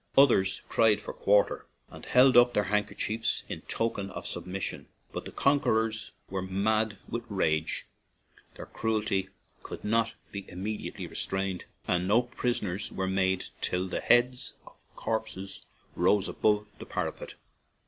Others cried for quarter, and held up their handkerchiefs in token of submission. But the conquerors were mad with rage ; their cruelty could not be im mediately restrained, and no prisoners were made till the heads of corpses rose above the parapet.